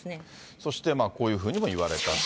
そしてこういうふうにも言われたと。